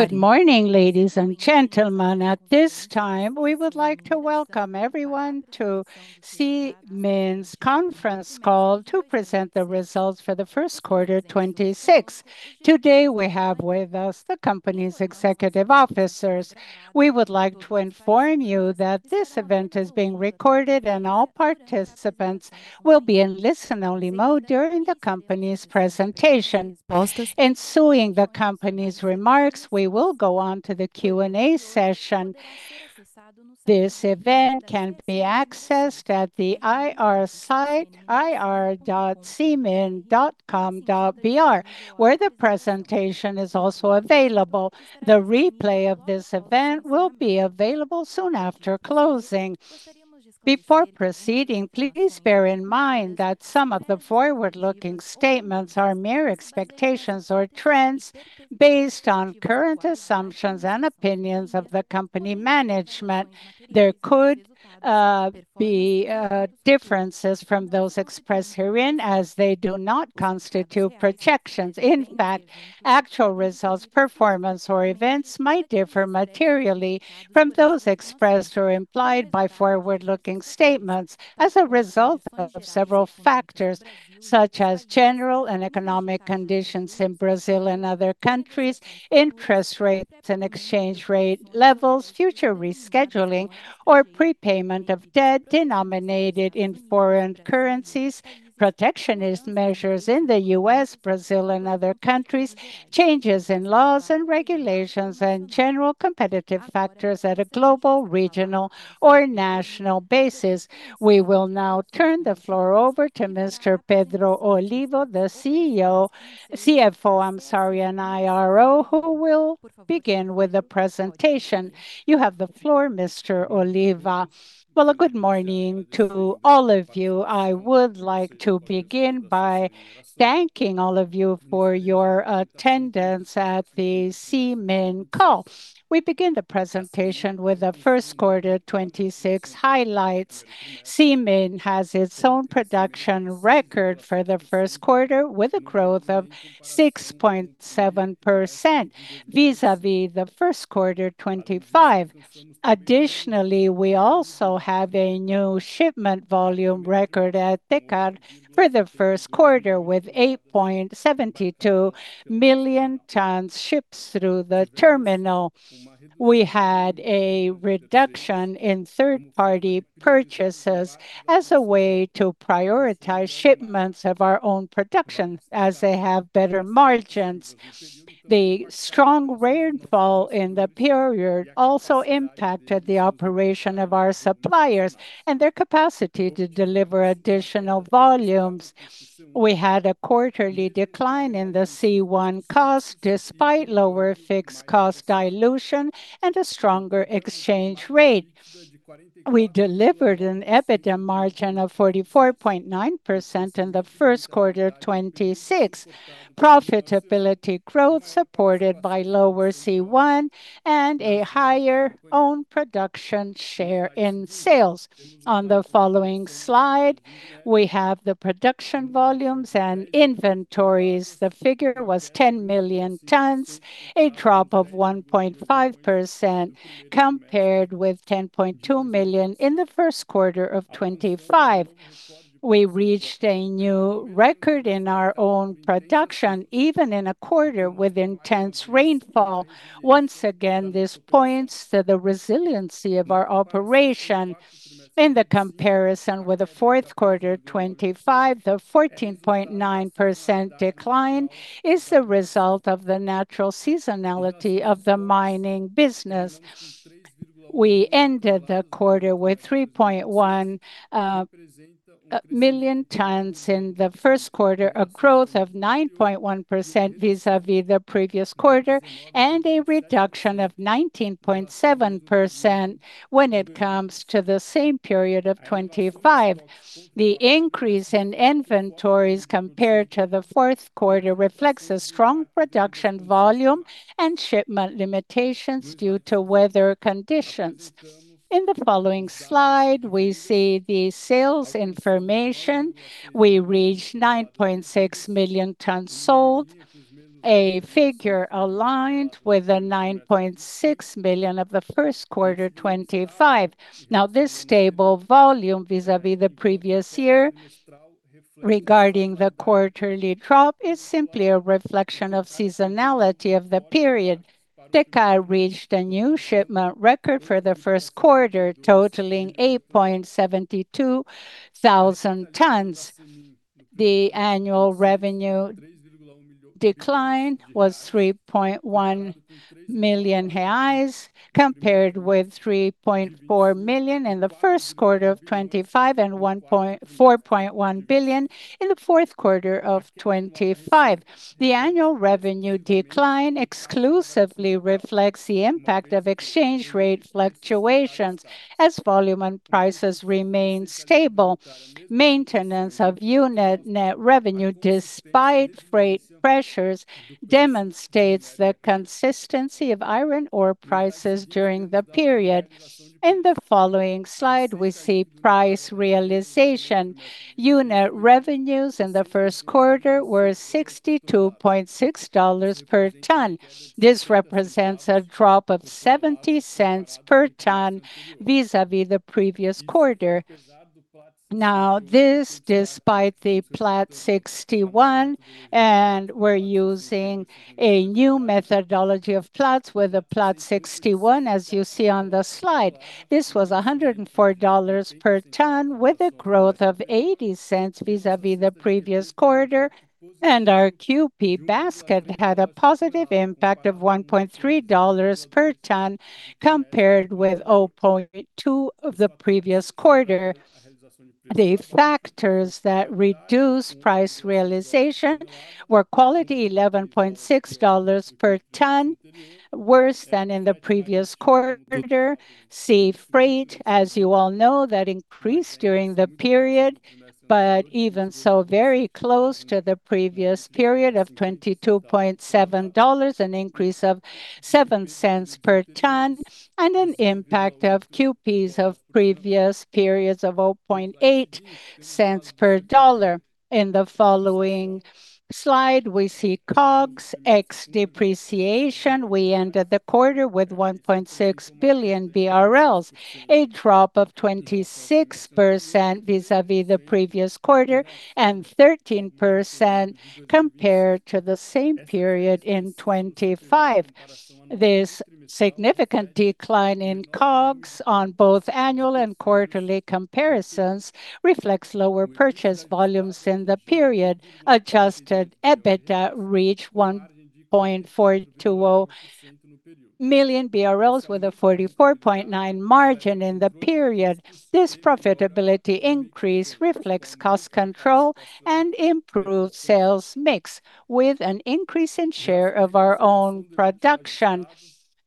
Good morning, ladies and gentlemen. At this time, we would like to welcome everyone to CMIN's conference call to present the results for the first quarter 2026. Today, we have with us the company's executive officers. We would like to inform you that this event is being recorded and all participants will be in listen-only mode during the company's presentation. Ensuing the company's remarks, we will go on to the Q&A session. This event can be accessed at the IR site ri.csnmineracao.com.br, where the presentation is also available. The replay of this event will be available soon after closing. Before proceeding, please bear in mind that some of the forward-looking statements are mere expectations or trends based on current assumptions and opinions of the company management. There could be differences from those expressed herein as they do not constitute projections. In fact, actual results, performance, or events might differ materially from those expressed or implied by forward-looking statements as a result of several factors such as general and economic conditions in Brazil and other countries, interest rates and exchange rate levels, future rescheduling or prepayment of debt denominated in foreign currencies, protectionist measures in the U.S., Brazil and other countries, changes in laws and regulations, and general competitive factors at a global, regional, or national basis. We will now turn the floor over to Mr. Pedro Oliva, the CFO, I'm sorry, and IRO, who will begin with the presentation. You have the floor, Mr. Oliva. Well, good morning to all of you. I would like to begin by thanking all of you for your attendance at the CMIN call. We begin the presentation with the first quarter 2026 highlights. CMIN has its own production record for the first quarter with a growth of 6.7% vis-a-vis the first quarter 2025. We also have a new shipment volume record at TECAR for the first quarter with 8.72 million tons shipped through the terminal. We had a reduction in third-party purchases as a way to prioritize shipments of our own productions as they have better margins. The strong rainfall in the period also impacted the operation of our suppliers and their capacity to deliver additional volumes. We had a quarterly decline in the C1 cost despite lower fixed cost dilution and a stronger exchange rate. We delivered an EBITDA margin of 44.9% in the first quarter 2026. Profitability growth supported by lower C1 and a higher own production share in sales. On the following slide, we have the production volumes and inventories. The figure was 10 million tons, a drop of 1.5% compared with 10.2 million in the first quarter of 2025. We reached a new record in our own production, even in a quarter with intense rainfall. Once again, this points to the resiliency of our operation. In the comparison with the fourth quarter 2025, the 14.9% decline is the result of the natural seasonality of the mining business. We ended the quarter with 3.1 million tons in the first quarter, a growth of 9.1% vis-a-vis the previous quarter, and a reduction of 19.7% when it comes to the same period of 2025. The increase in inventories compared to the fourth quarter reflects a strong production volume and shipment limitations due to weather conditions. In the following slide, we see the sales information. We reached 9.6 million tons sold, a figure aligned with the 9.6 million of the first quarter 2025. This stable volume vis-a-vis the previous year regarding the quarterly drop is simply a reflection of seasonality of the period. TECAR reached a new shipment record for the first quarter, totaling 87.2 thousand tons. The annual revenue decline was 3.1 million reais compared with 3.4 million in the first quarter of 2025 and 4.1 billion in the fourth quarter of 2025. The annual revenue decline exclusively reflects the impact of exchange rate fluctuations as volume and prices remain stable. Maintenance of unit net revenue despite freight pressures demonstrates the consistency of iron ore prices during the period. In the following slide, we see price realization. Unit revenues in the first quarter were $62.6 per ton. This represents a drop of $0.70 per ton vis-a-vis the previous quarter. This, despite the Platts 61%, and we're using a new methodology of Platts with the Platts 61%, as you see on the slide. This was $104 per ton with a growth of $0.80 vis-a-vis the previous quarter. Our QP basket had a positive impact of $1.30 per ton compared with $0.20 of the previous quarter. The factors that reduced price realization were quality $11.60 per ton worse than in the previous quarter. Sea freight, as you all know, that increased during the period, but even so very close to the previous period of $22.70, an increase of $0.07 per ton and an impact of QPs of previous periods of $0.008 per dollar. In the following slide, we see COGS ex depreciation. We ended the quarter with 1.6 billion BRL, a drop of 26% vis-a-vis the previous quarter and 13% compared to the same period in 2025. This significant decline in COGS on both annual and quarterly comparisons reflects lower purchase volumes in the period. Adjusted EBITDA reached 1.42 million BRL with a 44.9% margin in the period.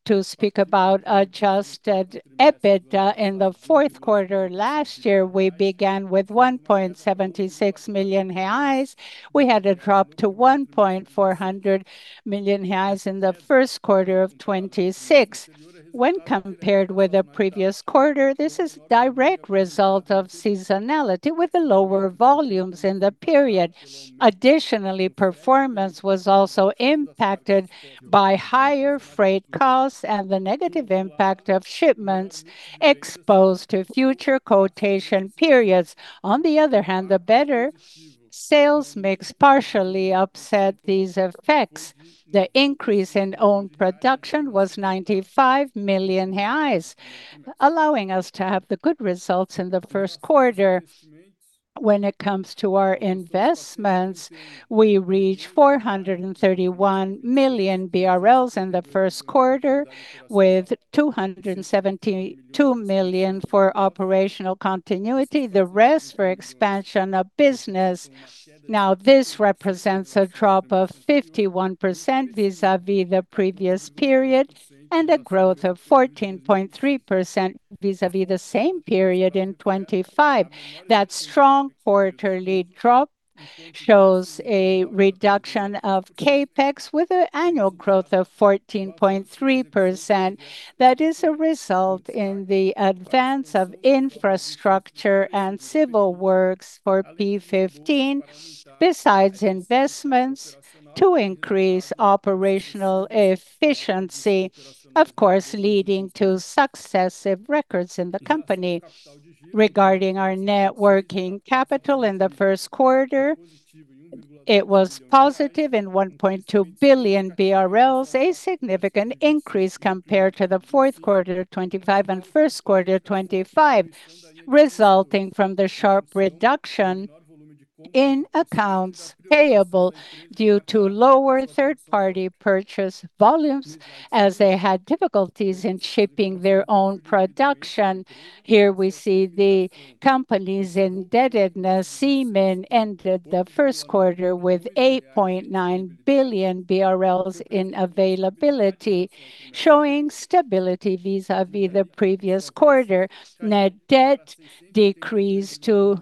To speak about adjusted EBITDA in the fourth quarter last year, we began with 1.76 million reais. We had a drop to 1.4 million reais in the first quarter of 2026. When compared with the previous quarter, this is a direct result of seasonality with the lower volumes in the period. Additionally, performance was also impacted by higher freight costs and the negative impact of shipments exposed to future quotation periods. The better sales mix partially upset these effects. The increase in own production was 95 million reais, allowing us to have the good results in the first quarter. When it comes to our investments, we reached 431 million BRL in the first quarter with 272 million for operational continuity, the rest for expansion of business. This represents a drop of 51% vis-a-vis the previous period and a growth of 14.3% vis-a-vis the same period in 2025. That strong quarterly drop shows a reduction of CapEx with a annual growth of 14.3%. That is a result in the advance of infrastructure and civil works for P15, besides investments to increase operational efficiency, of course, leading to successive records in the company. Regarding our net working capital in the first quarter, it was positive in 1.2 billion BRL, a significant increase compared to the fourth quarter 2025 and first quarter 2025, resulting from the sharp reduction in accounts payable due to lower third-party purchase volumes as they had difficulties in shipping their own production. Here we see the company's indebtedness. CMIN ended the first quarter with 8.9 billion BRL in availability, showing stability vis-a-vis the previous quarter. Net debt decreased to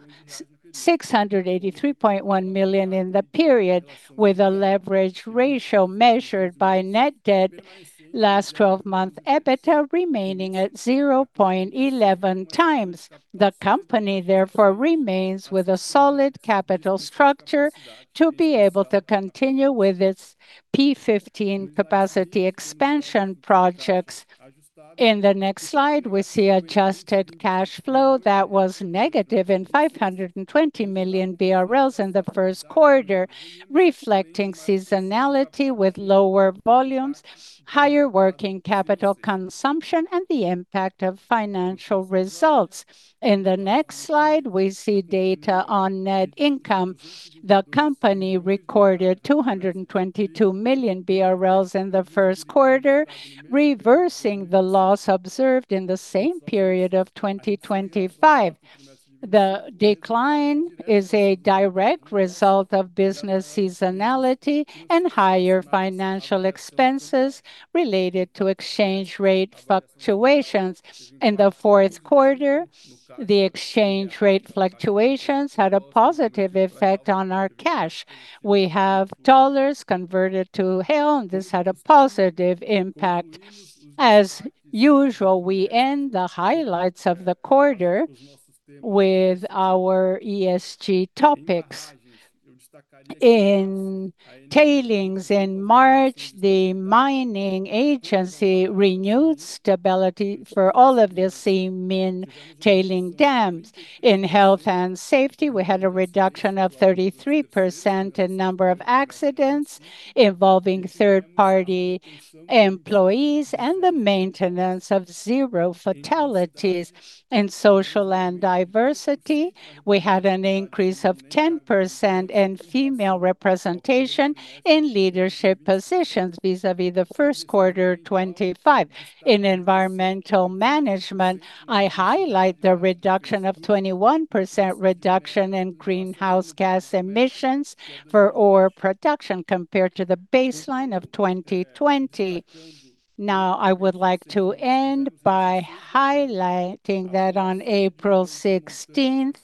683.1 million in the period with a leverage ratio measured by net debt last twelve month EBITDA remaining at 0.11x. The company therefore remains with a solid capital structure to be able to continue with its P15 capacity expansion projects. In the next slide, we see adjusted cash flow that was negative in 520 million BRL in the first quarter, reflecting seasonality with lower volumes, higher working capital consumption, and the impact of financial results. In the next slide, we see data on net income. The company recorded 222 million BRL in the first quarter, reversing the loss observed in the same period of 2025. The decline is a direct result of business seasonality and higher financial expenses related to exchange rate fluctuations. In the fourth quarter, the exchange rate fluctuations had a positive effect on our cash. We have dollars converted to real, This had a positive impact. As usual, we end the highlights of the quarter with our ESG topics. In tailings in March, the mining agency renewed stability for all of the CMIN tailing dams. In health and safety, we had a reduction of 33% in number of accidents involving third-party employees and the maintenance of zero fatalities. In social and diversity, we had an increase of 10% in female representation in leadership positions vis-a-vis the first quarter 2025. In environmental management, I highlight the reduction of 21% reduction in greenhouse gas emissions for ore production compared to the baseline of 2020. I would like to end by highlighting that on April 16th,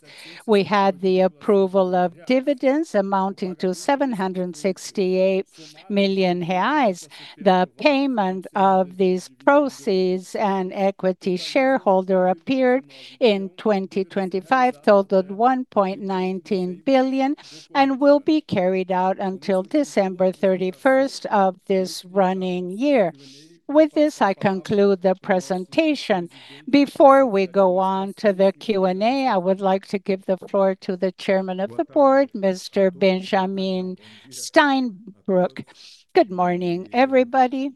we had the approval of dividends amounting to 768 million reais. The payment of these proceeds and equity shareholder approved in 2025 totaled 1.19 billion and will be carried out until December 31st of this running year. With this, I conclude the presentation. Before we go on to the Q&A, I would like to give the floor to the Chairman of the Board, Mr. Benjamin Steinbruch. Good morning, everybody.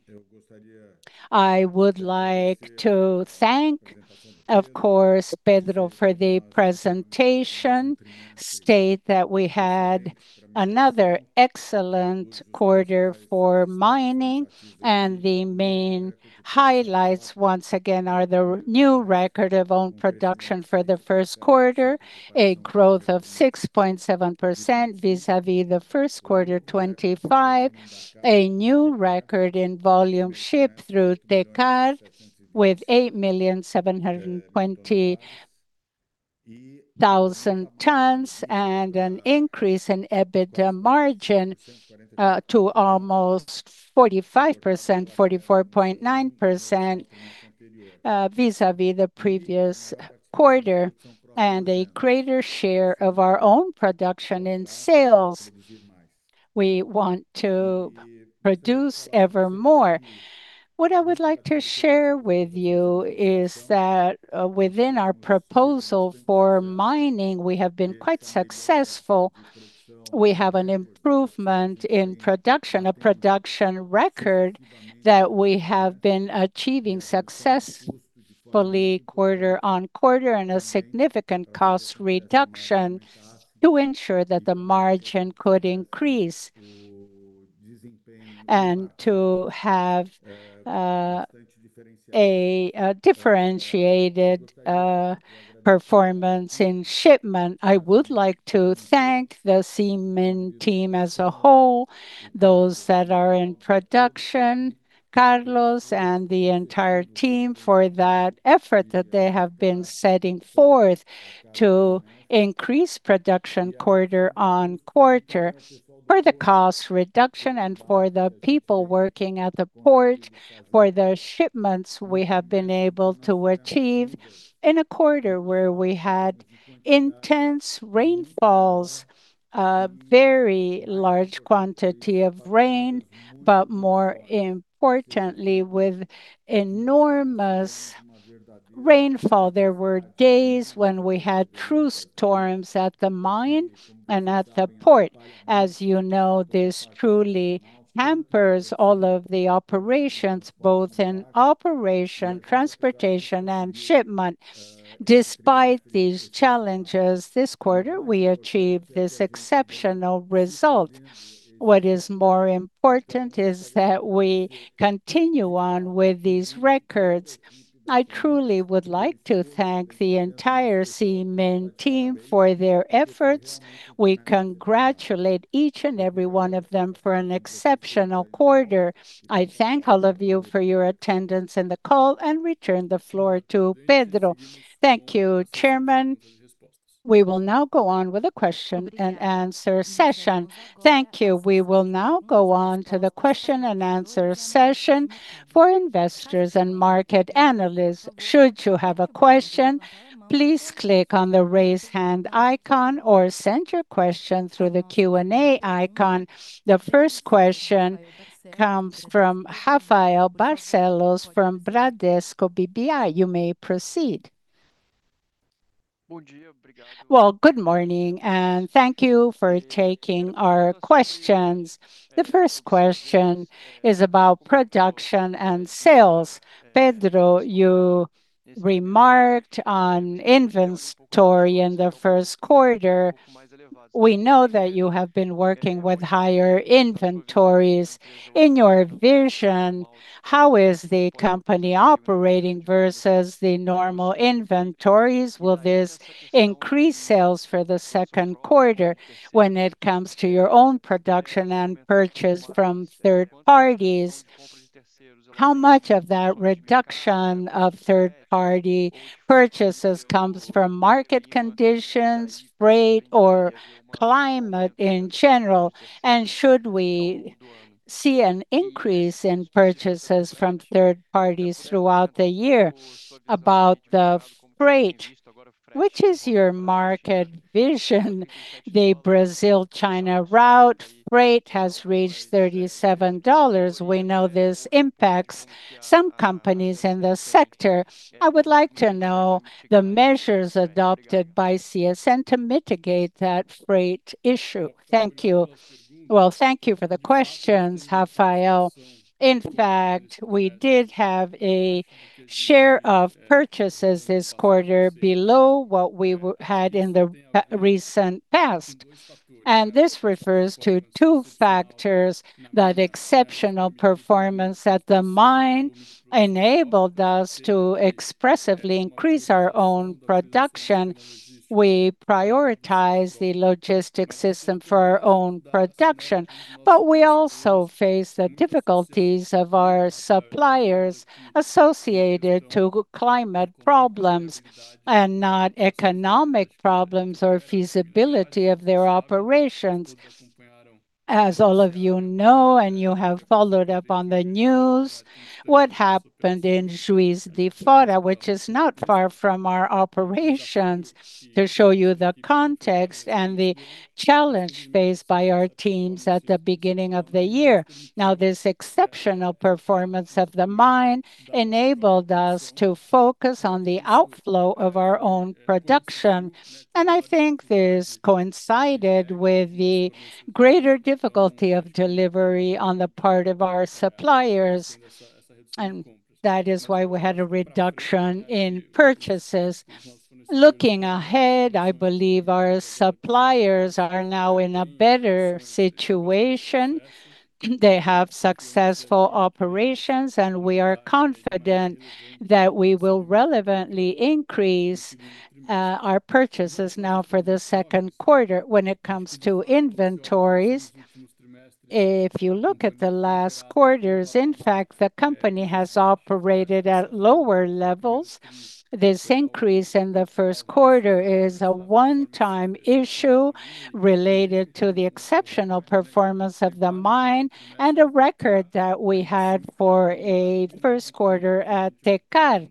I would like to thank, of course, Pedro for the presentation. State that we had another excellent quarter for mining. The main highlights once again are the new record of own production for the first quarter, a growth of 6.7% vis-a-vis the first quarter 2025. A new record in volume shipped through TECAR with 8,720,000 tons and an increase in EBITDA margin, to almost 45%, 44.9%, vis-a-vis the previous quarter, and a greater share of our own production in sales. We want to produce ever more. What I would like to share with you is that, within our proposal for mining, we have been quite successful. We have an improvement in production, a production record that we have been achieving successfully quarter-over-quarter, and a significant cost reduction to ensure that the margin could increase and to have a differentiated performance in shipment. I would like to thank the CMIN team as a whole, those that are in production, Carlos and the entire team for that effort that they have been setting forth to increase production quarter-on-quarter. For the cost reduction and for the people working at the port for the shipments we have been able to achieve in a quarter where we had intense rainfalls, a very large quantity of rain, but more importantly, with enormous rainfall. There were days when we had true storms at the mine and at the port. As you know, this truly hampers all of the operations, both in operation, transportation, and shipment. Despite these challenges, this quarter we achieved this exceptional result. What is more important is that we continue on with these records. I truly would like to thank the entire CMIN team for their efforts. We congratulate each and every one of them for an exceptional quarter. I thank all of you for your attendance in the call and return the floor to Pedro. Thank you, Chairman. We will now go on with a question-and-answer session. Thank you. We will now go on to the question-and-answer session for investors and market analysts. Should you have a question, please click on the Raise Hand icon or send your question through the Q&A icon. The first question comes from Rafael Barcellos from Bradesco BBI. You may proceed. Well, good morning, thank you for taking our questions. The first question is about production and sales. Pedro, you remarked on inventory in the first quarter. We know that you have been working with higher inventories. In your vision, how is the company operating versus the normal inventories? Will this increase sales for the second quarter when it comes to your own production and purchase from third parties? How much of that reduction of third-party purchases comes from market conditions, freight, or climate in general? Should we see an increase in purchases from third parties throughout the year? About the freight, which is your market vision? The Brazil-China route freight has reached $37. We know this impacts some companies in the sector. I would like to know the measures adopted by CSN to mitigate that freight issue. Thank you. Well, thank you for the questions, Rafael. In fact, we did have a share of purchases this quarter below what we had in the recent past. This refers to two factors that exceptional performance at the mine enabled us to expressively increase our own production. We prioritize the logistics system for our own production. We also face the difficulties of our suppliers associated to climate problems and not economic problems or feasibility of their operations. As all of you know, and you have followed up on the news, what happened in Juiz de Fora, which is not far from our operations, to show you the context and the challenge faced by our teams at the beginning of the year. This exceptional performance of the mine enabled us to focus on the outflow of our own production, and I think this coincided with the greater difficulty of delivery on the part of our suppliers. That is why we had a reduction in purchases. Looking ahead, I believe our suppliers are now in a better situation. They have successful operations, and we are confident that we will relevantly increase our purchases now for the second quarter. When it comes to inventories, if you look at the last quarters, in fact, the company has operated at lower levels. This increase in the first quarter is a one-time issue related to the exceptional performance of the mine and a record that we had for a first quarter at TECAR.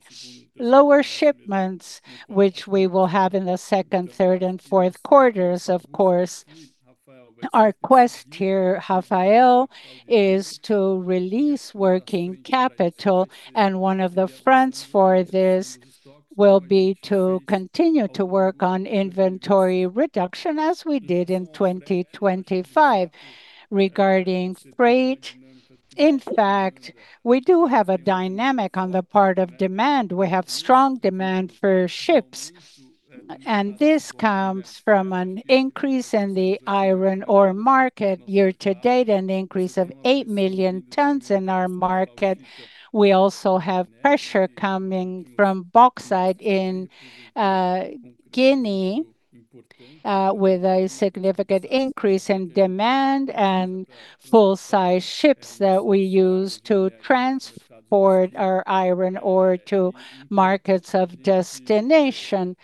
Lower shipments, which we will have in the second, third, and fourth quarters, of course. Our quest here, Rafael, is to release working capital, and one of the fronts for this will be to continue to work on inventory reduction as we did in 2025. Regarding freight, in fact, we do have a dynamic on the part of demand. We have strong demand for ships, and this comes from an increase in the iron ore market year to date, an increase of 8 million tons in our market. We also have pressure coming from bauxite in Guinea with a significant increase in demand and full-sized ships that we use to transport our iron ore to markets of destination.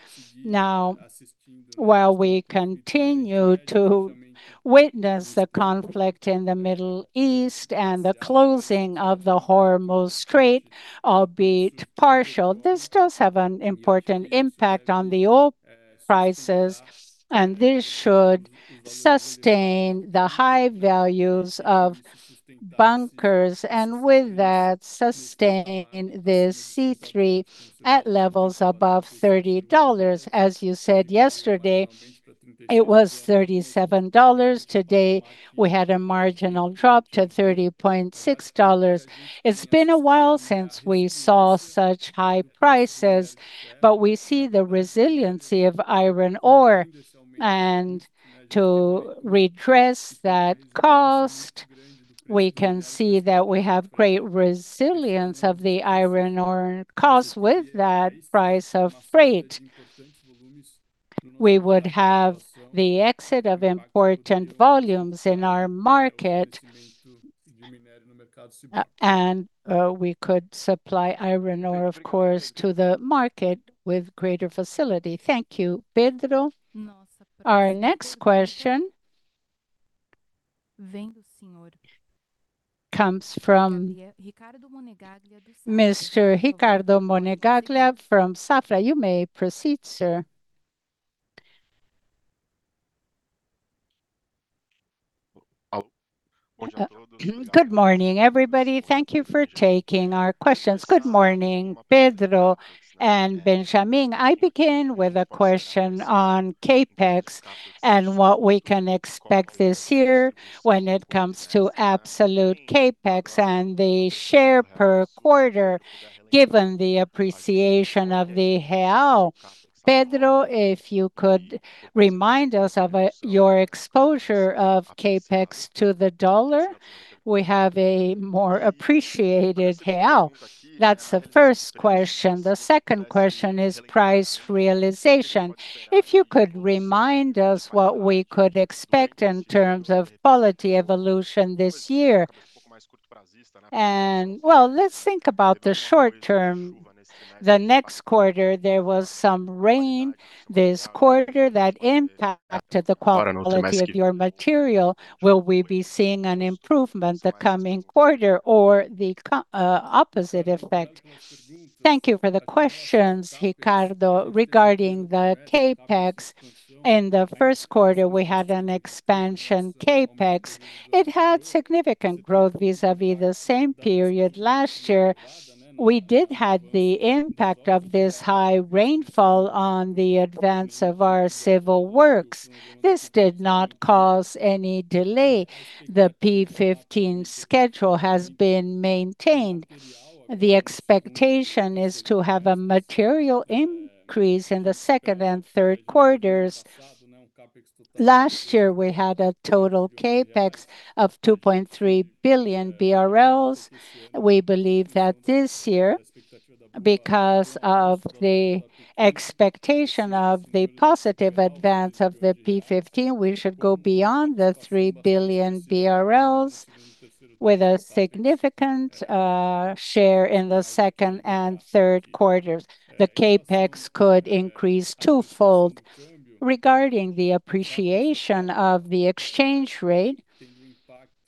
While we continue to witness the conflict in the Middle East and the closing of the Hormuz Strait, albeit partial, this does have an important impact on the oil prices, and this should sustain the high values of bunkers and, with that, sustain the C3 at levels above BRL 30. As you said yesterday, it was BRL 37. Today, we had a marginal drop to BRL 30.6. It's been a while since we saw such high prices. We see the resiliency of iron ore. To redress that cost, we can see that we have great resilience of the iron ore cost with that price of freight. We would have the exit of important volumes in our market. We could supply iron ore, of course, to the market with greater facility. Thank you. Pedro. Our next question comes from Mr. Ricardo Monegaglia from Safra. You may proceed, sir. Good morning, everybody. Thank you for taking our questions. Good morning, Pedro and Benjamin. I begin with a question on CapEx and what we can expect this year when it comes to absolute CapEx and the share per quarter, given the appreciation of the real. Pedro, if you could remind us of your exposure of CapEx to the dollar. We have a more appreciated real. That's the first question. The second question is price realization. If you could remind us what we could expect in terms of quality evolution this year. Well, let's think about the short term. The next quarter, there was some rain this quarter that impacted the quality of your material. Will we be seeing an improvement the coming quarter or the opposite effect? Thank you for the questions, Ricardo. Regarding the CapEx, in the first quarter, we had an expansion CapEx. It had significant growth vis-a-vis the same period last year. We did have the impact of this high rainfall on the advance of our civil works. This did not cause any delay. The P15 schedule has been maintained. The expectation is to have a material increase in the second and third quarters. Last year, we had a total CapEx of 2.3 billion BRL. We believe that this year, because of the expectation of the positive advance of the P15, we should go beyond 3 billion BRL with a significant share in the second and third quarters. The CapEx could increase twofold. Regarding the appreciation of the exchange rate,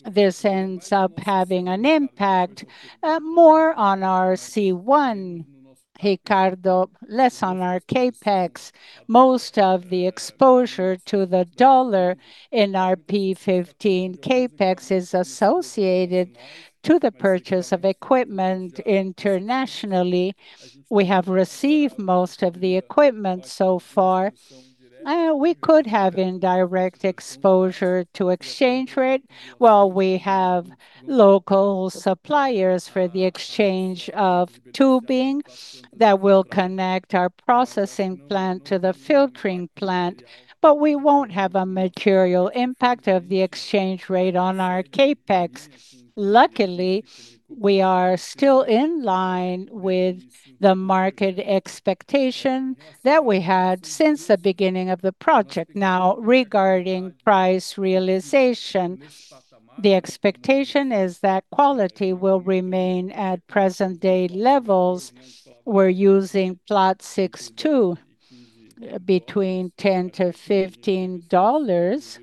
this ends up having an impact, more on our C1, Ricardo, less on our CapEx. Most of the exposure to the dollar in our P15 CapEx is associated to the purchase of equipment internationally. We have received most of the equipment so far. We could have indirect exposure to exchange rate while we have local suppliers for the exchange of tubing that will connect our processing plant to the filtering plant, but we won't have a material impact of the exchange rate on our CapEx. Luckily, we are still in line with the market expectation that we had since the beginning of the project. Now, regarding price realization, the expectation is that quality will remain at present day levels. We're using Platts 62% between $10-$15.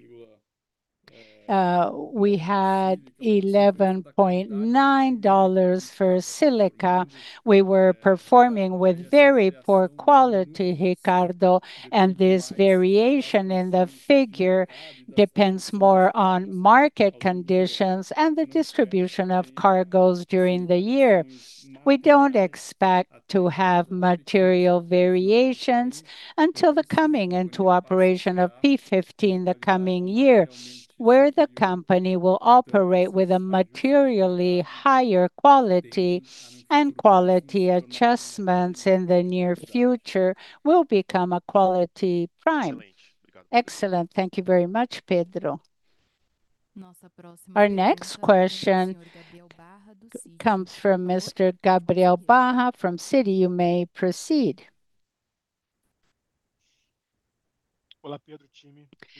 We had $11.9 for silica. We were performing with very poor quality, Ricardo, and this variation in the figure depends more on market conditions and the distribution of cargoes during the year. We don't expect to have material variations until the coming into operation of P15 the coming year, where the company will operate with a materially higher quality, and quality adjustments in the near future will become a quality prime. Excellent. Thank you very much, Pedro. Our next question comes from Mr. Gabriel Barra from Citi. You may proceed.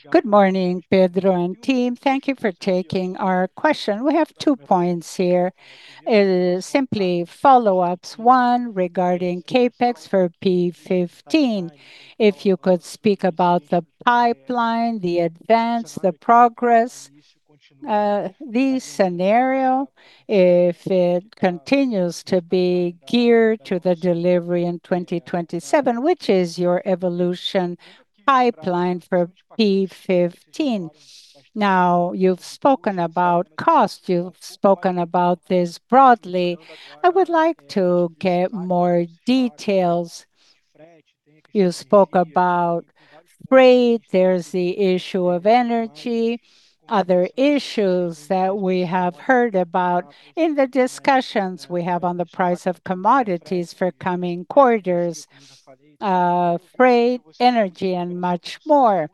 Good morning, Pedro and team. Thank you for taking our question. We have two points here. Simply follow-ups. One regarding CapEx for P15. If you could speak about the pipeline, the advance, the progress, the scenario, if it continues to be geared to the delivery in 2027, which is your evolution pipeline for P15. You've spoken about cost. You've spoken about this broadly. I would like to get more details. You spoke about freight. There's the issue of energy, other issues that we have heard about in the discussions we have on the price of commodities for coming quarters, freight, energy, and much more.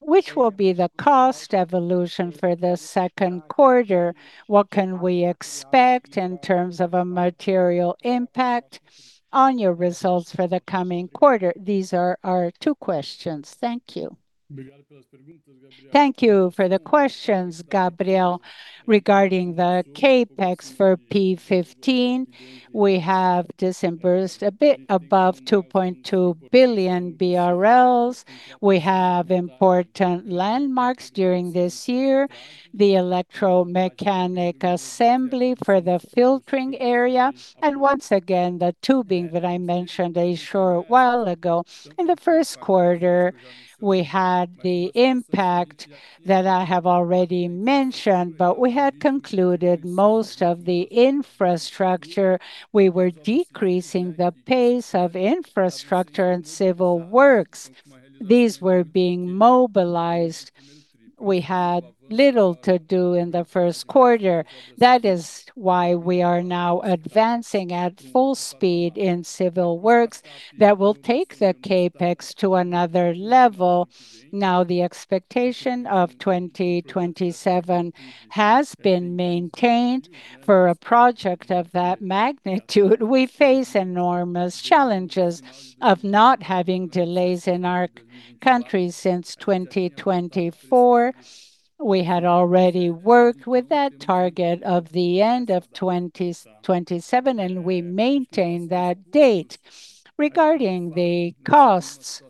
Which will be the cost evolution for the second quarter? What can we expect in terms of a material impact on your results for the coming quarter? These are our two questions. Thank you. Thank you for the questions, Gabriel. Regarding the CapEx for P15, we have disbursed a bit above 2.2 billion BRL. We have important landmarks during this year, the electromechanic assembly for the filtering area, and once again, the tubing that I mentioned a short while ago. In the first quarter, we had the impact that I have already mentioned. We had concluded most of the infrastructure. We were decreasing the pace of infrastructure and civil works. These were being mobilized. We had little to do in the first quarter. That is why we are now advancing at full speed in civil works that will take the CapEx to another level. Now, the expectation of 2027 has been maintained. For a project of that magnitude, we face enormous challenges of not having delays in our country since 2024. We had already worked with that target of the end of 2027. We maintain that date. Regarding the costs.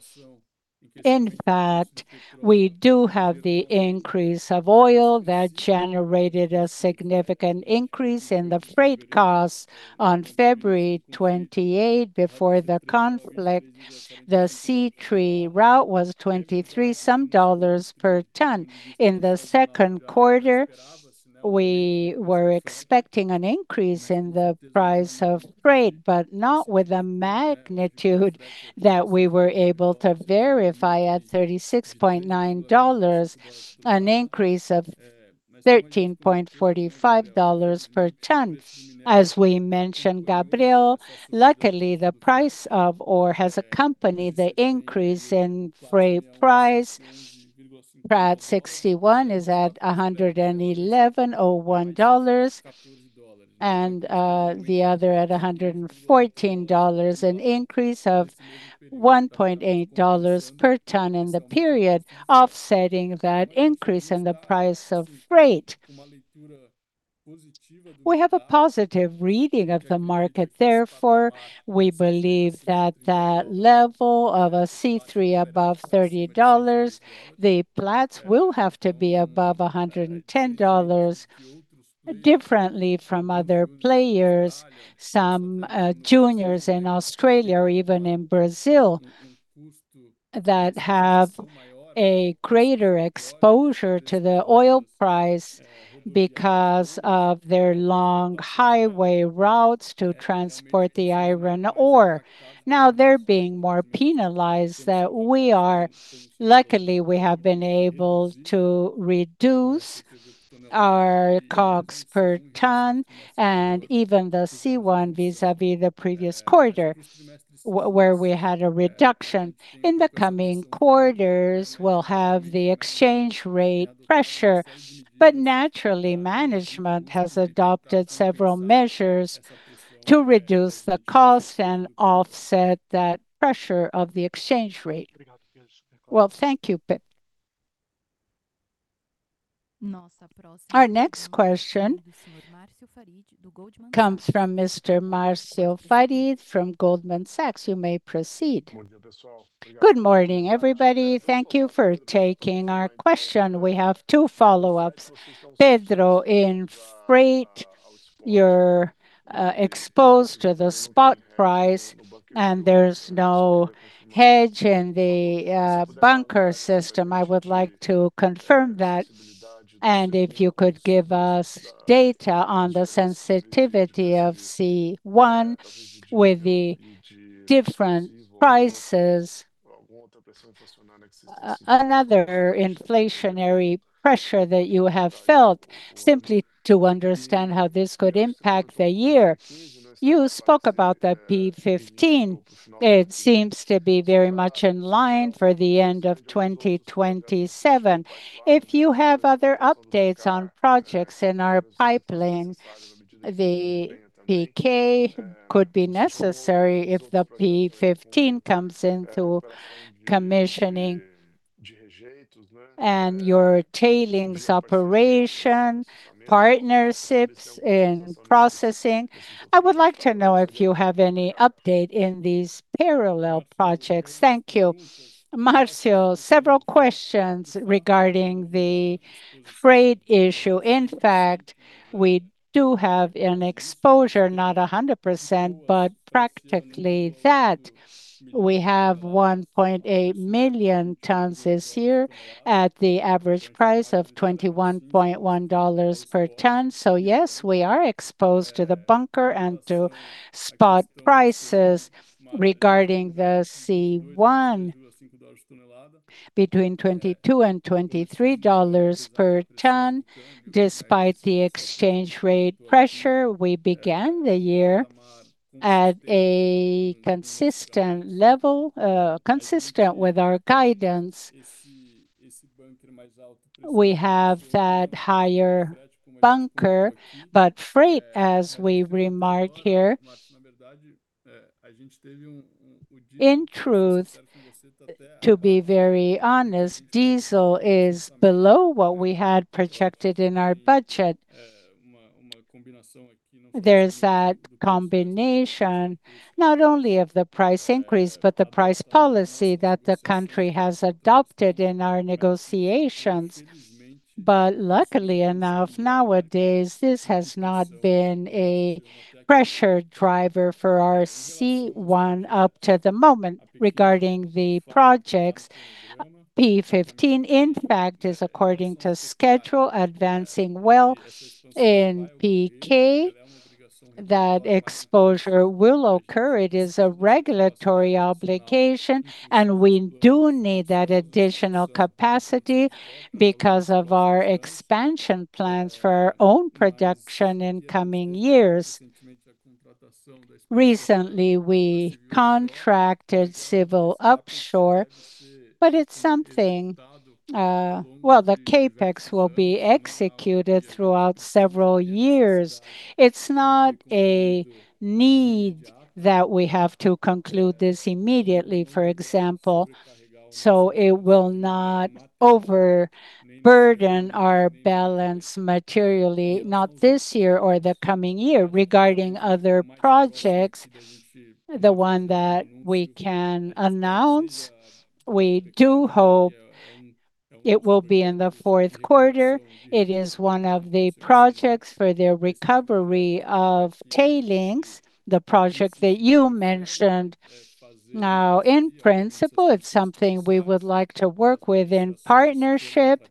In fact, we do have the increase of oil that generated a significant increase in the freight costs on February 28 before the conflict. The C3 route was BRL 23 some per ton. In the second quarter, we were expecting an increase in the price of freight, but not with the magnitude that we were able to verify at BRL 36.9, an increase of BRL 13.45 per ton. As we mentioned, Gabriel, luckily the price of ore has accompanied the increase in freight price. Platts 61% is at BRL 111.01 and the other at BRL 114, an increase of BRL 1.8 per ton in the period offsetting that increase in the price of freight. We have a positive reading of the market, therefore, we believe that that level of a C3 above $30, the Platts will have to be above $110 differently from other players, some juniors in Australia or even in Brazil that have a greater exposure to the oil price because of their long highway routes to transport the iron ore. Now they're being more penalized than we are. Luckily, we have been able to reduce our COGS per ton and even the C1 vis-à-vis the previous quarter where we had a reduction. In the coming quarters, we'll have the exchange rate pressure, but naturally, management has adopted several measures to reduce the cost and offset that pressure of the exchange rate. Thank you, Pedro. Our next question comes from Mr. Marcio Farid from Goldman Sachs. You may proceed. Good morning, everybody. Thank you for taking our question. We have two follow-ups. Pedro, in freight, you're exposed to the spot price and there's no hedge in the bunker system. I would like to confirm that, and if you could give us data on the sensitivity of C1 with the different prices. Another inflationary pressure that you have felt simply to understand how this could impact the year. You spoke about the P15. It seems to be very much in line for the end of 2027. If you have other updates on projects in our pipeline, the PK could be necessary if the P15 comes into commissioning and your tailings operation, partnerships in processing. I would like to know if you have any update in these parallel projects. Thank you. Marcio, several questions regarding the freight issue. In fact, we do have an exposure, not 100%, but practically that. We have 1.8 million tons this year at the average price of $21.1 per ton. Yes, we are exposed to the bunker and to spot prices. Regarding the C1 between $22-$23 per ton, despite the exchange rate pressure, we began the year at a consistent level, consistent with our guidance. We have that higher bunker, freight, as we remarked here. In truth, to be very honest, diesel is below what we had projected in our budget. There is that combination not only of the price increase, but the price policy that the country has adopted in our negotiations. Luckily enough, nowadays, this has not been a pressure driver for our C1 up to the moment. Regarding the projects, P15, in fact, is according to schedule advancing well. In PK, that exposure will occur. It is a regulatory obligation. We do need that additional capacity because of our expansion plans for our own production in coming years. Recently, we contracted civil offshore. It's something. The CapEx will be executed throughout several years. It's not a need that we have to conclude this immediately, for example. It will not overburden our balance materially, not this year or the coming year. Regarding other projects, the one that we can announce, we do hope. It will be in the fourth quarter. It is one of the projects for the recovery of tailings, the project that you mentioned. Now, in principle, it's something we would like to work with in partnership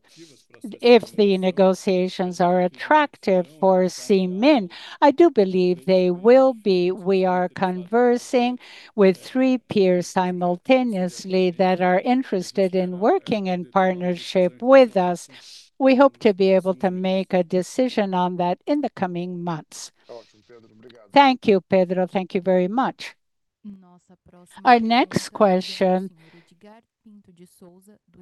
if the negotiations are attractive for CMIN. I do believe they will be. We are conversing with three peers simultaneously that are interested in working in partnership with us. We hope to be able to make a decision on that in the coming months. Thank you, Pedro. Thank you very much. Our next question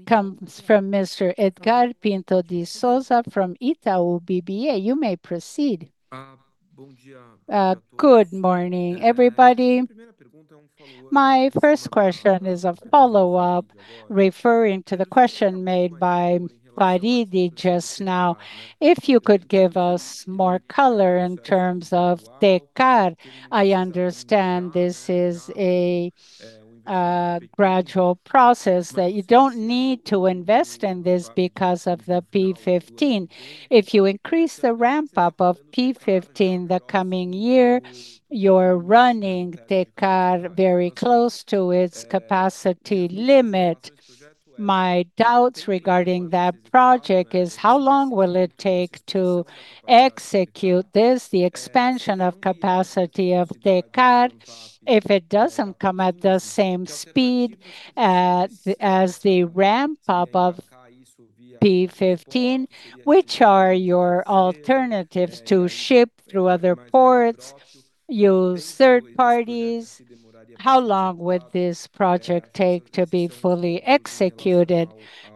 comes from Mr. Edgard Pinto de Souza from Itaú BBA. You may proceed. Good morning, everybody. My first question is a follow-up referring to the question made by Marcio Farid just now. If you could give us more color in terms of TECAR. I understand this is a gradual process that you don't need to invest in this because of the P15. If you increase the ramp-up of P15 the coming year, you're running TECAR very close to its capacity limit. My doubts regarding that project is: how long will it take to execute this, the expansion of capacity of TECAR? If it doesn't come at the same speed as the ramp-up of P15, which are your alternatives to ship through other ports, use third parties? How long would this project take to be fully executed?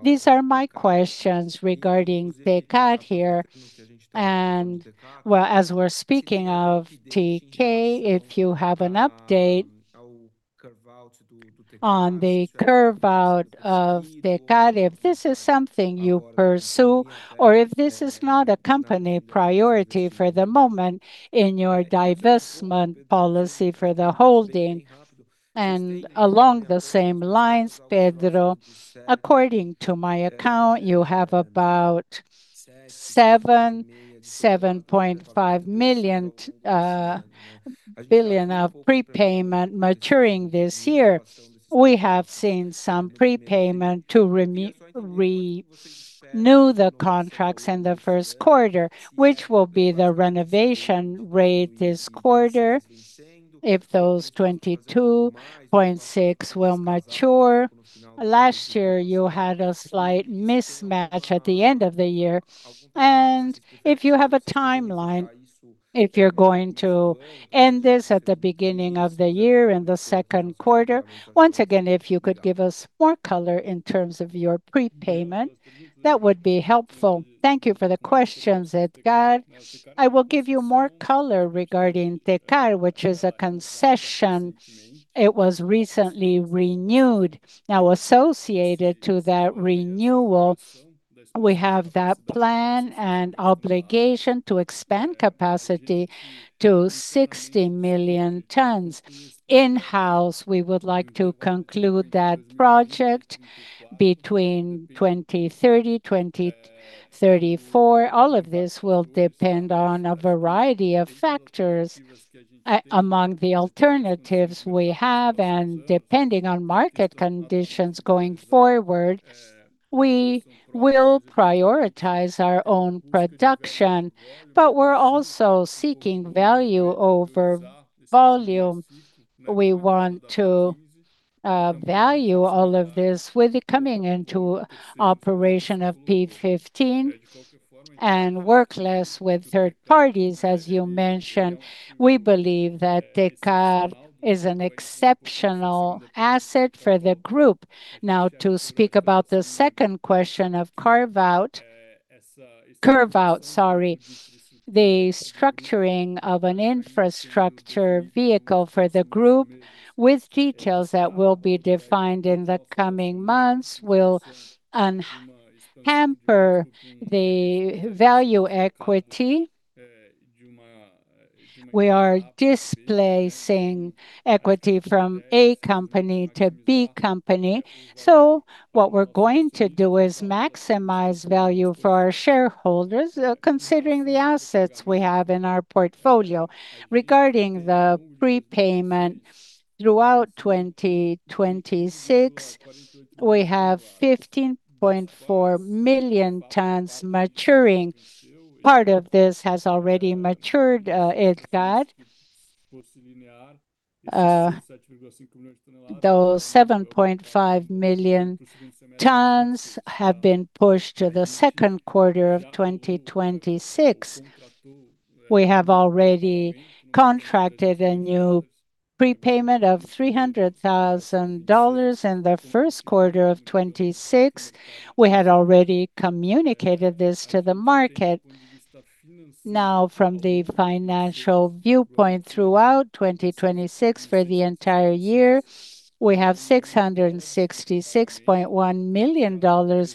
These are my questions regarding TECAR here. As we're speaking of TECAR, if you have an update on the curve out of TECAR, if this is something you pursue, or if this is not a company priority for the moment in your divestment policy for the holding. Along the same lines, Pedro, according to my account, you have about 7.5 billion of prepayment maturing this year. We have seen some prepayment to renew the contracts in the first quarter, which will be the renovation rate this quarter if those 22.6 will mature. Last year, you had a slight mismatch at the end of the year. If you have a timeline, if you're going to end this at the beginning of the year, in the second quarter. Once again, if you could give us more color in terms of your prepayment, that would be helpful. Thank you for the questions, Edgard. I will give you more color regarding TECAR, which is a concession. It was recently renewed. Associated to that renewal, we have that plan and obligation to expand capacity to 60 million tons. In-house, we would like to conclude that project between 2030, 2034. All of this will depend on a variety of factors. Among the alternatives we have and depending on market conditions going forward, we will prioritize our own production. We're also seeking value over volume. We want to value all of this with the coming into operation of P15 and work less with third parties, as you mentioned. We believe that TECAR is an exceptional asset for the group. To speak about the second question of carve-out. The structuring of an infrastructure vehicle for the group with details that will be defined in the coming months will un-hamper the value equity. We are displacing equity from A company to B company. What we're going to do is maximize value for our shareholders, considering the assets we have in our portfolio. Regarding the prepayment, throughout 2026, we have 15.4 million tons maturing. Part of this has already matured, Edgard. Those 7.5 million tons have been pushed to the second quarter of 2026. We have already contracted a new prepayment of $300,000 in the first quarter of 2026. We had already communicated this to the market. From the financial viewpoint, throughout 2026, for the entire year, we have $666.1 million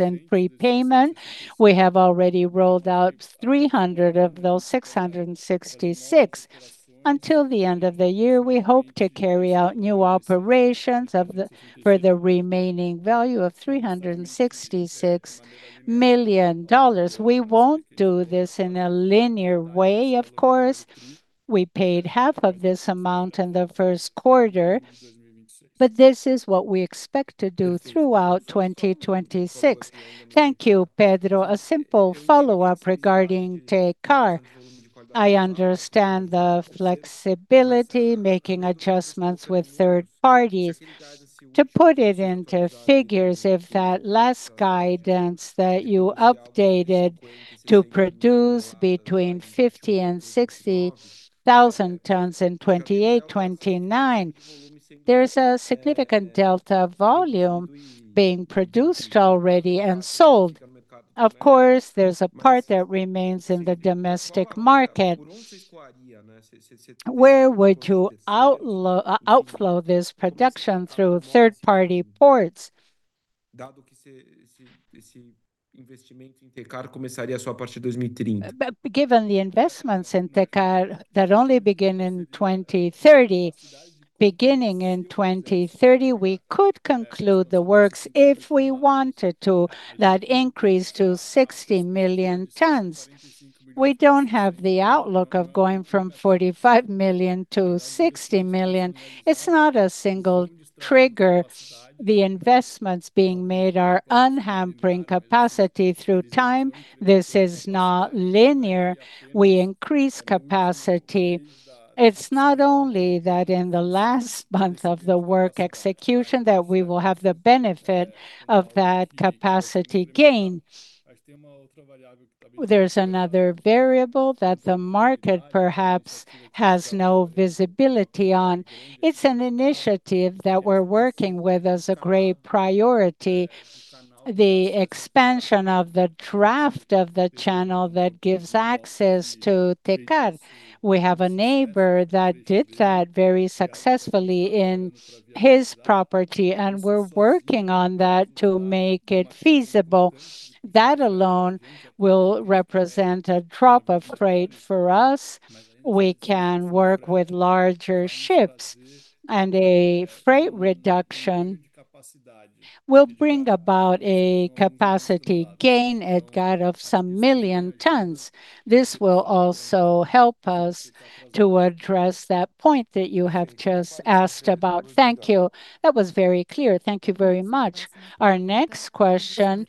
in prepayment. We have already rolled out 300 of those 666. Until the end of the year, we hope to carry out new operations for the remaining value of $366 million. We won't do this in a linear way, of course. We paid half of this amount in the first quarter. This is what we expect to do throughout 2026. Thank you, Pedro. A simple follow-up regarding TECAR. I understand the flexibility, making adjustments with third parties. To put it into figures, if that last guidance that you updated to produce between 50,000 and 60,000 tons in 2028, 2029, there's a significant delta volume being produced already and sold. Of course, there's a part that remains in the domestic market. Where would you outflow this production through third-party ports? Given the investments in TECAR that only begin in 2030, beginning in 2030, we could conclude the works if we wanted to. That increase to 60 million tons. We don't have the outlook of going from 45 million to 60 million. It's not a one trigger. The investments being made are unhampering capacity through time. This is not linear. We increase capacity. It's not only that in the last month of the work execution that we will have the benefit of that capacity gain. There's another variable that the market perhaps has no visibility on. It's an initiative that we're working with as a great priority, the expansion of the draft of the channel that gives access to TECAR. We have a neighbor that did that very successfully in his property, we're working on that to make it feasible. That alone will represent a drop of freight for us. We can work with larger ships, and a freight reduction will bring about a capacity gain at guide of some million tons. This will also help us to address that point that you have just asked about. Thank you. That was very clear. Thank you very much. Our next question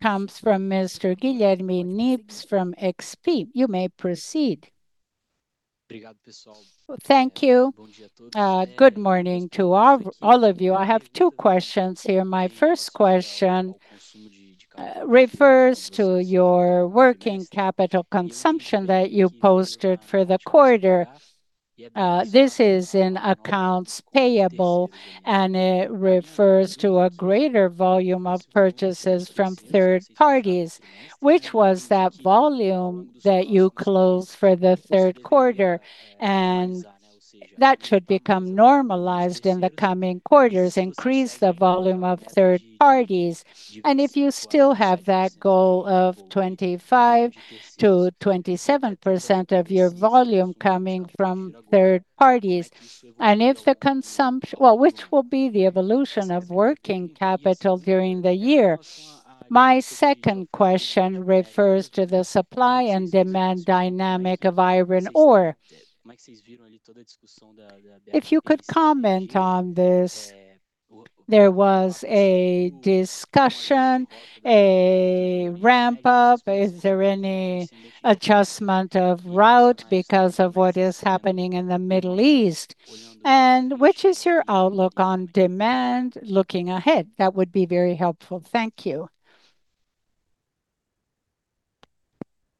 comes from Mr. Guilherme Nippes from XP. You may proceed. Thank you. Good morning to all of you. I have two questions here. My first question refers to your working capital consumption that you posted for the quarter. This is in accounts payable, and it refers to a greater volume of purchases from third parties. Which was that volume that you closed for the third quarter? That should become normalized in the coming quarters, increase the volume of third parties. If you still have that goal of 25% to 27% of your volume coming from third parties, which will be the evolution of working capital during the year? My second question refers to the supply and demand dynamic of iron ore. If you could comment on this. There was a discussion, a ramp-up. Is there any adjustment of route because of what is happening in the Middle East? Which is your outlook on demand looking ahead? That would be very helpful. Thank you.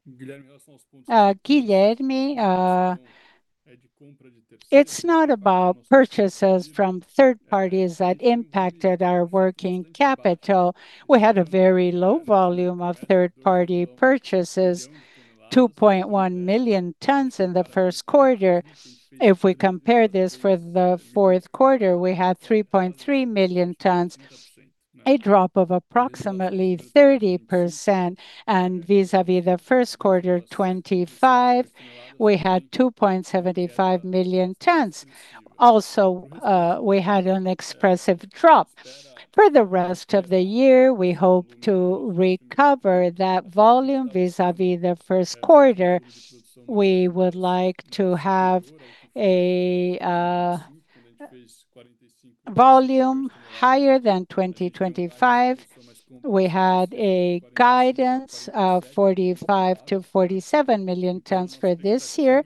Guilherme, it's not about purchases from third parties that impacted our working capital. We had a very low volume of third-party purchases, 2.1 million tons in the first quarter. If we compare this for the fourth quarter, we had 3.3 million tons, a drop of approximately 30%. Vis-à-vis the first quarter 2025, we had 2.75 million tons. Also, we had an expressive drop. For the rest of the year, we hope to recover that volume vis-à-vis the first quarter. We would like to have a volume higher than 2025. We had a guidance of 45 million-47 million tons for this year.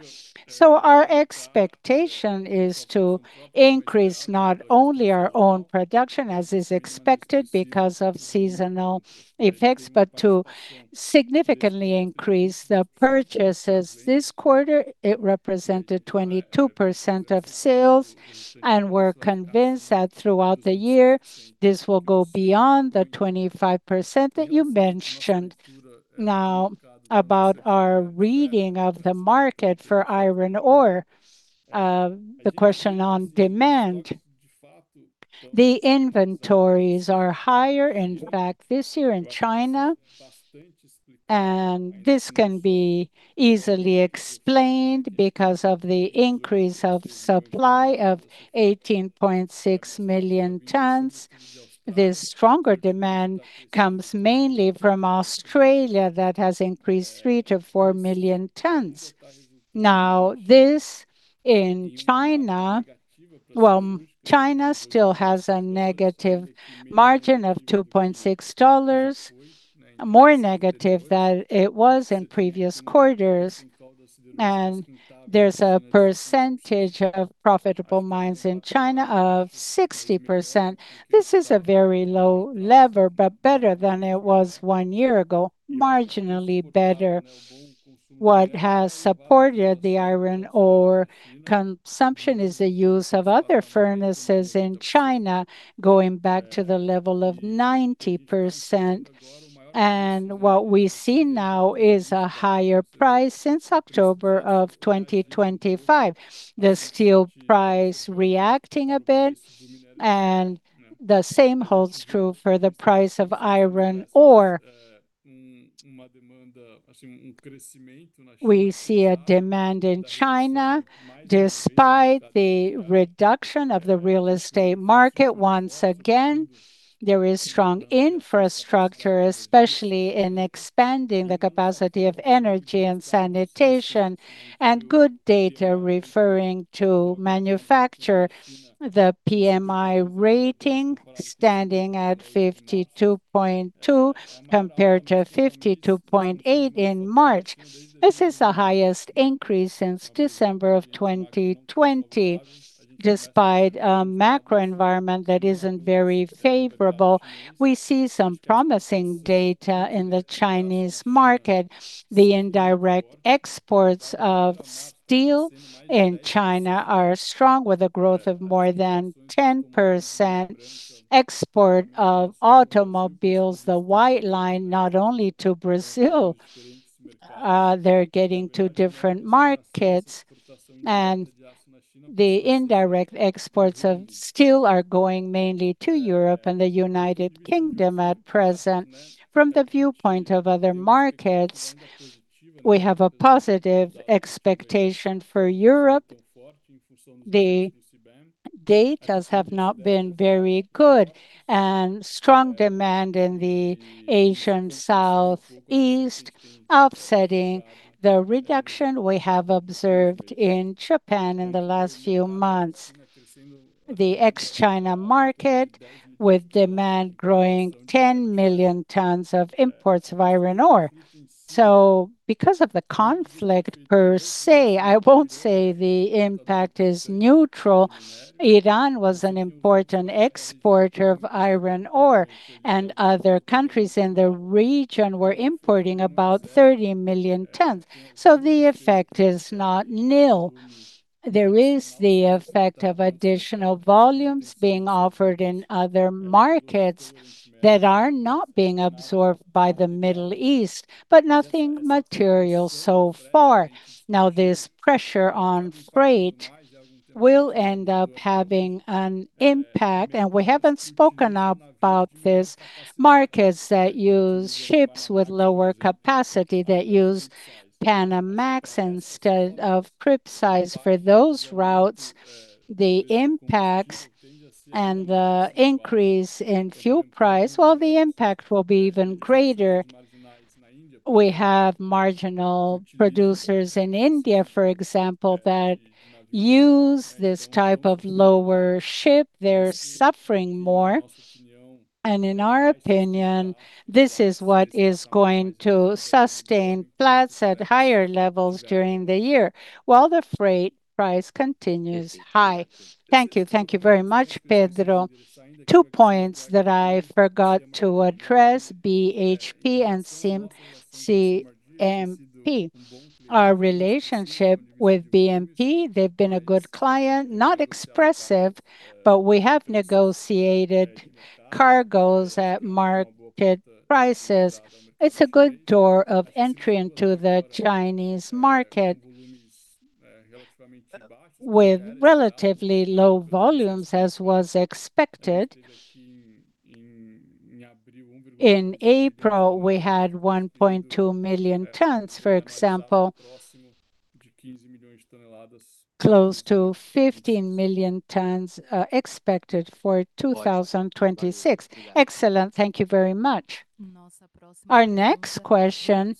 Our expectation is to increase not only our own production, as is expected because of seasonal effects, but to significantly increase the purchases. This quarter, it represented 22% of sales, and we're convinced that throughout the year this will go beyond the 25% that you mentioned. Now, about our reading of the market for iron ore, the question on demand. The inventories are higher, in fact, this year in China, and this can be easily explained because of the increase of supply of 18.6 million tons. This stronger demand comes mainly from Australia that has increased 3 million-4 million tons. In China, well, China still has a negative margin of BRL 2.6, more negative than it was in previous quarters. There's a percentage of profitable mines in China of 60%. This is a very low lever, but better than it was one year ago, marginally better. What has supported the iron ore consumption is the use of other furnaces in China, going back to the level of 90%. What we see now is a higher price since October of 2025. The steel price reacting a bit, and the same holds true for the price of iron ore. We see a demand in China despite the reduction of the real estate market. Once again, there is strong infrastructure, especially in expanding the capacity of energy and sanitation, and good data referring to manufacture. The PMI rating standing at 52.2 compared to 52.8 in March. This is the highest increase since December of 2020. Despite a macro environment that isn't very favorable, we see some promising data in the Chinese market. The indirect exports of steel in China are strong, with a growth of more than 10%. Export of automobiles, the white goods, not only to Brazil, they're getting to different markets. The indirect exports of steel are going mainly to Europe and the United Kingdom at present. From the viewpoint of other markets, we have a positive expectation for Europe. The data have not been very good. Strong demand in the Asian Southeast offsetting the reduction we have observed in Japan in the last few months. The ex-China market, with demand growing 10 million tons of imports of iron ore. Because of the conflict per se, I won't say the impact is neutral. Iran was an important exporter of iron ore. Other countries in the region were importing about 30 million tons. The effect is not nil. There is the effect of additional volumes being offered in other markets that are not being absorbed by the Middle East. Nothing material so far. Now, this pressure on freight will end up having an impact, and we haven't spoken about these markets that use ships with lower capacity, that use Panamax instead of Capesize for those routes. The impacts and the increase in fuel price, well, the impact will be even greater. We have marginal producers in India, for example, that use this type of lower ship. They're suffering more. In our opinion, this is what is going to sustain Platts at higher levels during the year while the freight price continues high. Thank you. Thank you very much, Pedro. Two points that I forgot to address, BHP and CMP. Our relationship with BHP, they've been a good client, not expressive, but we have negotiated cargoes at market prices. It's a good door of entry into the Chinese market. With relatively low volumes, as was expected. In April, we had 1.2 million tons, for example. Close to 15 million tons expected for 2026. Excellent. Thank you very much. Our next question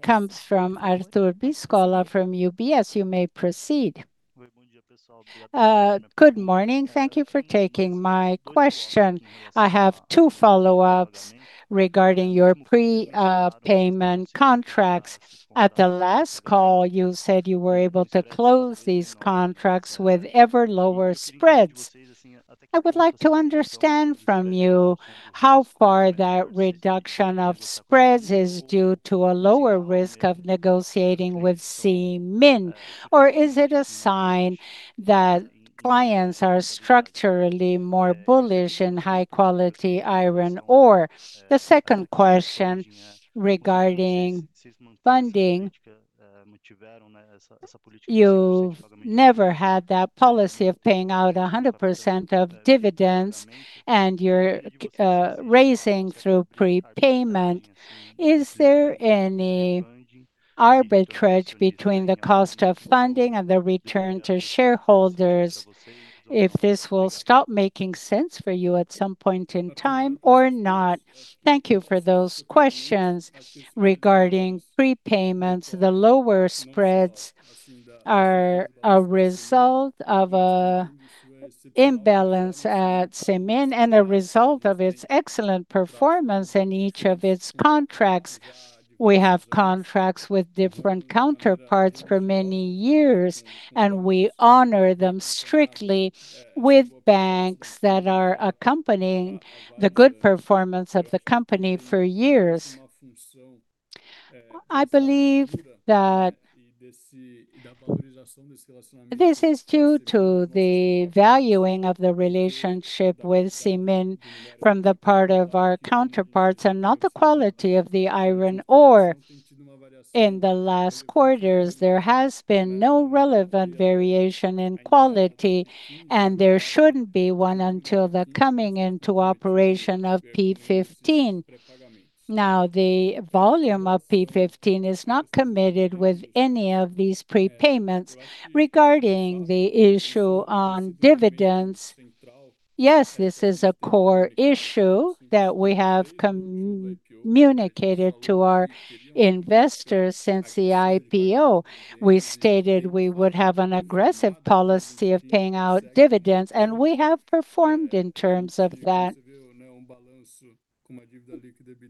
comes from Arthur Biscuola from UBS. You may proceed. Good morning. Thank you for taking my question. I have two follow-ups regarding your payment contracts. At the last call, you said you were able to close these contracts with ever lower spreads. I would like to understand from you how far that reduction of spreads is due to a lower risk of negotiating with CMIN, or is it a sign that clients are structurally more bullish in high-quality iron ore? The second question regarding funding. You never had that policy of paying out 100% of dividends, you're raising through prepayment. Is there any arbitrage between the cost of funding and the return to shareholders, if this will stop making sense for you at some point in time or not. Thank you for those questions regarding prepayments. The lower spreads are a result of an imbalance at CMIN and a result of its excellent performance in each of its contracts. We have contracts with different counterparts for many years, and we honor them strictly with banks that are accompanying the good performance of the company for years. I believe that this is due to the valuing of the relationship with CMIN from the part of our counterparts and not the quality of the iron ore. In the last quarters, there has been no relevant variation in quality, and there shouldn't be one until the coming into operation of P15. The volume of P15 is not committed with any of these prepayments. Regarding the issue on dividends, yes, this is a core issue that we have communicated to our investors since the IPO. We stated we would have an aggressive policy of paying out dividends, and we have performed in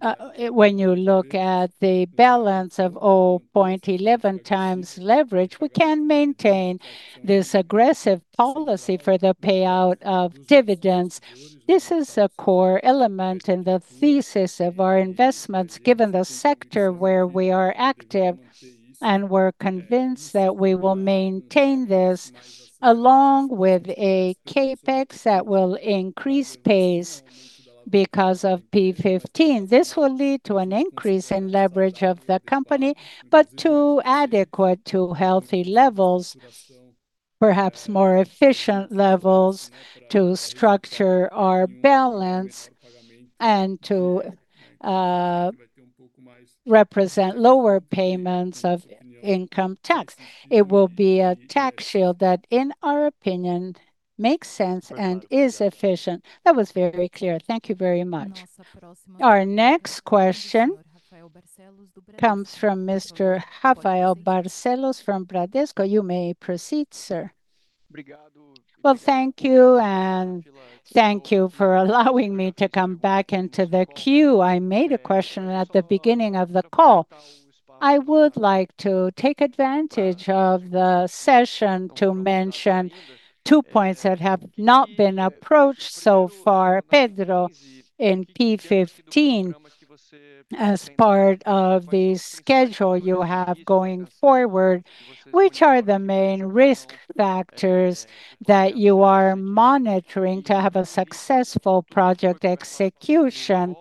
terms of that. When you look at the balance of 0.11x leverage, we can maintain this aggressive policy for the payout of dividends. This is a core element in the thesis of our investments, given the sector where we are active, and we're convinced that we will maintain this along with a CapEx that will increase pace because of P15. This will lead to an increase in leverage of the company, but to adequate to healthy levels, perhaps more efficient levels to structure our balance and to represent lower payments of income tax. It will be a tax shield that, in our opinion, makes sense and is efficient. That was very clear. Thank you very much. Our next question comes from Mr. Rafael Barcellos from Bradesco. You may proceed, sir. Thank you, and thank you for allowing me to come back into the queue. I made a question at the beginning of the call. I would like to take advantage of the session to mention two points that have not been approached so far. Pedro, in P15, as part of the schedule you have going forward, which are the main risk factors that you are monitoring to have a successful project execution?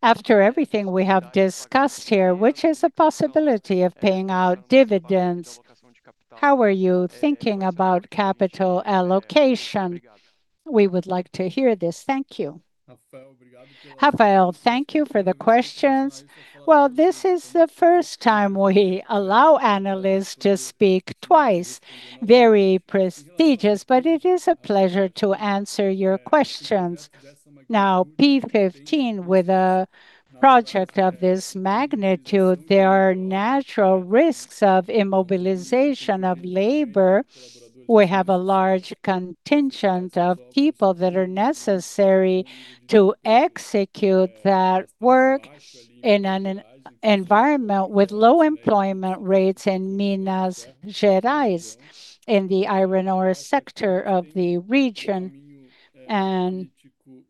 After everything we have discussed here, which is a possibility of paying out dividends, how are you thinking about capital allocation? We would like to hear this. Thank you. Rafael, thank you for the questions. This is the first time we allow analysts to speak twice. Very prestigious, but it is a pleasure to answer your questions. P15, with a project of this magnitude, there are natural risks of immobilization of labor. We have a large contingent of people that are necessary to execute that work in an environment with low employment rates in Minas Gerais in the iron ore sector of the region.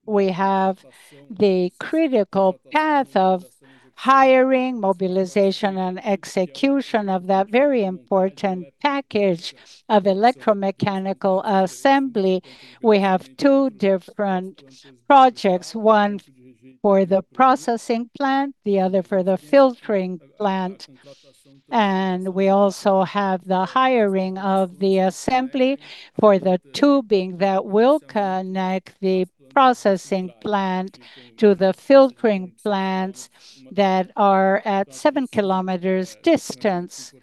We have the critical path of hiring, mobilization, and execution of that very important package of electromechanical assembly. We have two different projects, one for the processing plant, the other for the filtering plant. We also have the hiring of the assembly for the tubing that will connect the processing plant to the filtering plants that are at 7 km distance.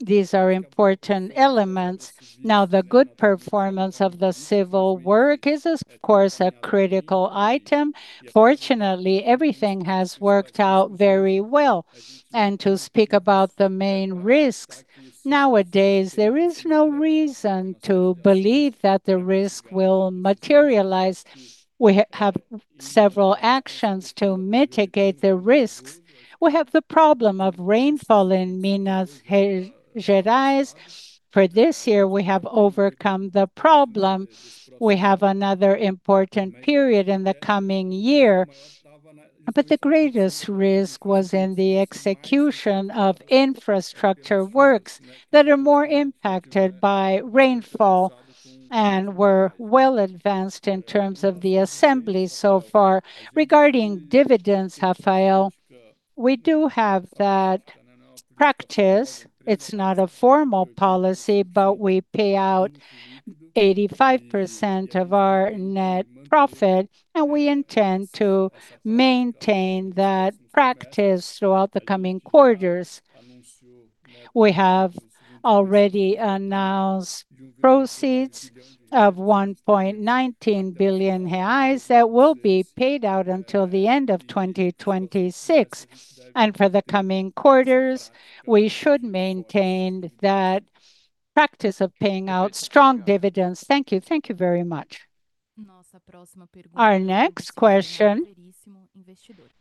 These are important elements. Now, the good performance of the civil work is, of course, a critical item. Fortunately, everything has worked out very well. To speak about the main risks, nowadays, there is no reason to believe that the risk will materialize. We have several actions to mitigate the risks. We have the problem of rainfall in Minas Gerais. For this year, we have overcome the problem. We have another important period in the coming year. The greatest risk was in the execution of infrastructure works that are more impacted by rainfall and were well advanced in terms of the assembly so far. Regarding dividends, Rafael, we do have that practice, it's not a formal policy, we pay out 85% of our net profit, we intend to maintain that practice throughout the coming quarters. We have already announced proceeds of 1.19 billion reais that will be paid out until the end of 2026. For the coming quarters, we should maintain that practice of paying out strong dividends. Thank you. Thank you very much. Our next question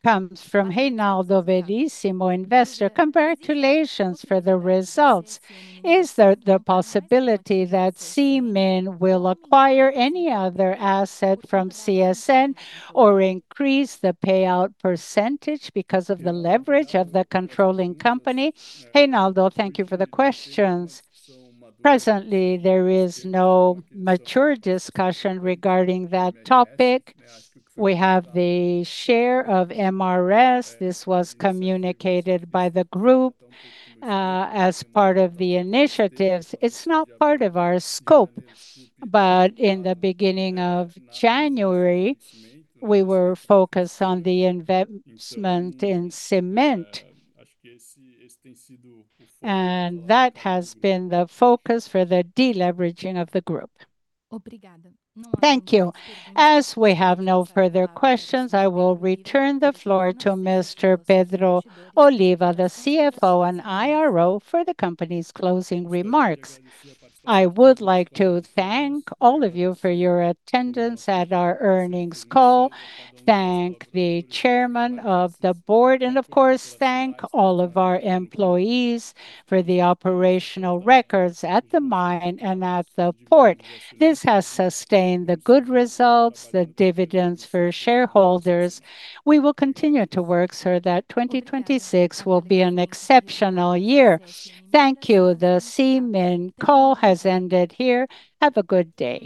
comes from Reinaldo Veríssimo, investor. Congratulations for the results. Is there the possibility that CMIN will acquire any other asset from CSN or increase the payout percentage because of the leverage of the controlling company? Reinaldo, thank you for the questions. Presently, there is no mature discussion regarding that topic. We have the share of MRS. This was communicated by the group as part of the initiatives. It's not part of our scope. In the beginning of January, we were focused on the investment in cement. That has been the focus for the deleveraging of the group. Thank you. As we have no further questions, I will return the floor to Mr. Pedro Oliva, the CFO and IRO for the company's closing remarks. I would like to thank all of you for your attendance at our earnings call, thank the chairman of the board, and of course, thank all of our employees for the operational records at the mine and at the port. This has sustained the good results, the dividends for shareholders. We will continue to work so that 2026 will be an exceptional year. Thank you. The CMIN call has ended here. Have a good day.